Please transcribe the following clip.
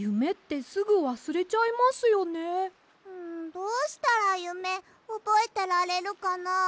どうしたらゆめおぼえてられるかな？